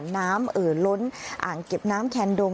เอ่อล้นอ่างเก็บน้ำแคนดง